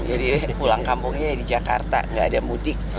jadi pulang kampungnya di jakarta nggak ada mudik